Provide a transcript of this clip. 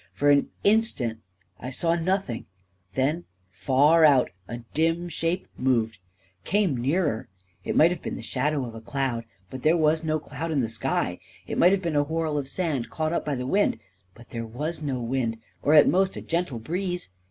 For an instant, I saw nothing; then, far out, a dim shape moved ... came nearer ... It might have been the shadow of a cloud — but there was no cloud in the sky. It might have been a whorl of sand caught up by the wind — but there was no wind, or at most a gentle breeze.